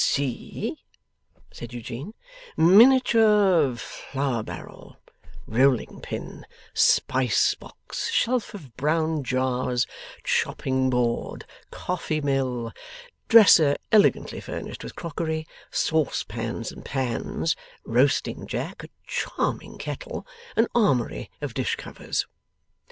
'See!' said Eugene, 'miniature flour barrel, rolling pin, spice box, shelf of brown jars, chopping board, coffee mill, dresser elegantly furnished with crockery, saucepans and pans, roasting jack, a charming kettle, an armoury of dish covers.